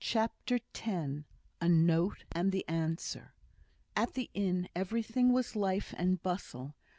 CHAPTER X A Note and the Answer At the inn everything was life and bustle.